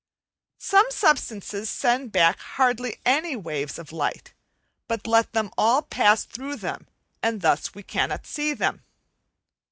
Some substances send back hardly any waves of light, but let them all pass through them, and thus we cannot see them.